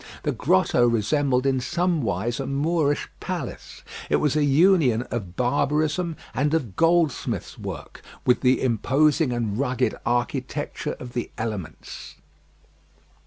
The grotto resembled in some wise a Moorish palace. It was a union of barbarism and of goldsmith's work, with the imposing and rugged architecture of the elements.